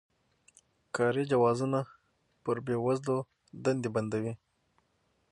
کاري جوازونه پر بې وزلو دندې بندوي.